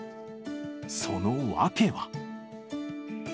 その訳は。